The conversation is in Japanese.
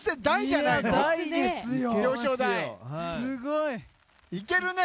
すごいね。